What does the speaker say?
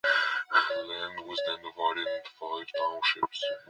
The land was then divided into five townships.